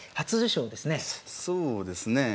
そうですねえ。